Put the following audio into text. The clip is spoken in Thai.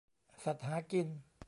สัตว์หากิน